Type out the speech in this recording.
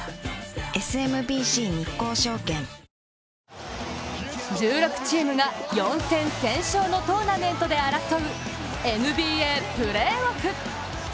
ＳＭＢＣ日興証券１６チームが４戦先勝のトーナメントで争うＮＢＡプレーオフ。